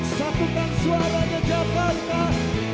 sapukan suaranya jepanglah